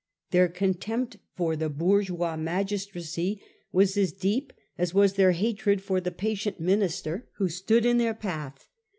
Their contempt for the bourgeois magistracy was as deep as was their hatred for the patient ministei who stood ever in their path.